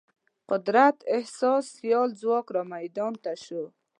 قدرت احساس سیال ځواک رامیدان ته شوی.